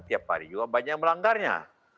tiap hari juga banyak yang melanggarnya